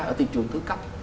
ở thị trường thứ cấp